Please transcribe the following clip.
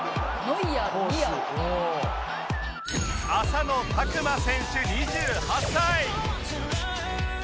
浅野拓磨選手２８歳